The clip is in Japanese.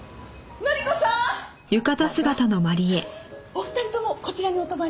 お二人ともこちらにお泊まり？